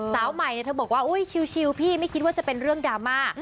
สาวใหม่เธอบอกว่าอุ๊ยชิวพี่ไม่คิดว่าจะเป็นเรื่องดราม่า